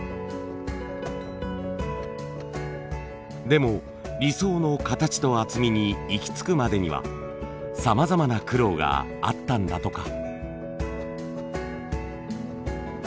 でも理想の形と厚みに行き着くまでにはさまざまな苦労があったんだとか。